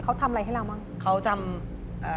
พอได้ดื่มเพราะว่ามีอาการอย่างนี้